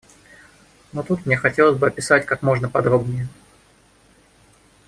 Но тут мне хотелось бы описать как можно подробнее.